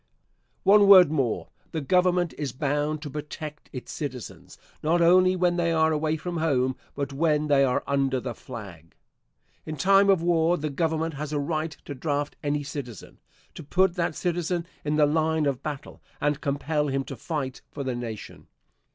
One word more. The Government is bound to protect its citizens, not only when they are away from home, but when they are under the flag. In time of war the Government has a right to draft any citizen; to put that citizen in the line of battle, and compel him to fight for the nation.